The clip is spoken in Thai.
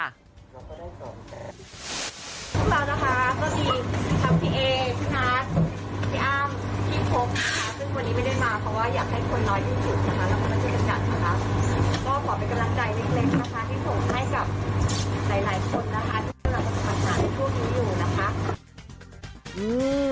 แล้วก็ได้ตอบแก่